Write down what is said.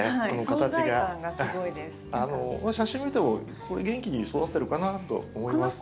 この写真見ても元気に育ってるかなと思います。